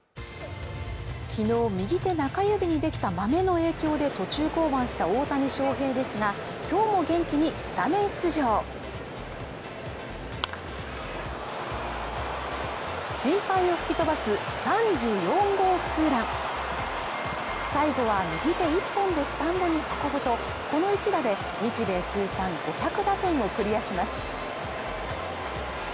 昨日右手中指にできたマメの影響で途中降板した大谷翔平ですが今日も元気にスタメン出場心配を吹き飛ばす３４号ツーラン最後は右手１本でスタンドに運ぶとこの一打で日米通算５００打点をクリアします